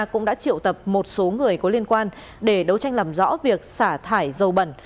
cũng đã triệu tập một số người có liên quan để đấu tranh làm rõ việc xả thải dầu bẩn